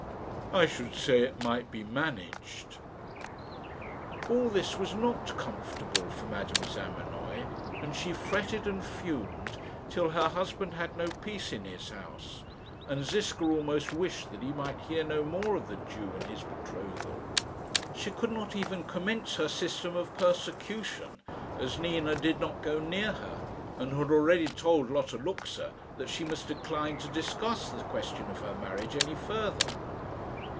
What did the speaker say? I should say it might be managed." All this was not comfortable for Madame Zamenoy; and she fretted and fumed till her husband had no peace in his house, and Ziska almost wished that he might hear no more of the Jew and his betrothal. She could not even commence her system of persecution, as Nina did not go near her, and had already told Lotta Luxa that she must decline to discuss the question of her marriage any further.